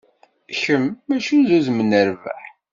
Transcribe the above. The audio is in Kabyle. Kem, mačči d udem n rrbeḥ.